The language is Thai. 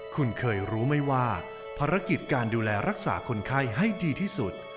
คุณเคยรู้ไหมว่าภารกิจการดูแลรักษาคนไข้ให้ดีที่สุด